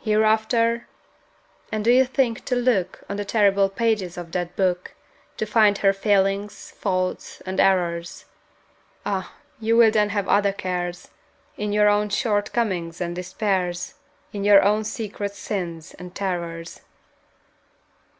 Hereafter? And do you think to look On the terrible pages of that Book To find her failings, faults, and errors? Ah, you will then have other cares, In your own short comings and despairs, In your own secret sins and terrors!